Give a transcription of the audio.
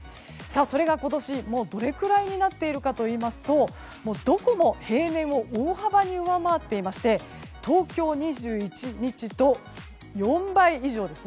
それが、今年どれくらいになっているかといいますとどこも平年を大幅に上回っていまして東京は２１日と４倍以上です。